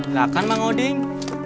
silahkan mang oding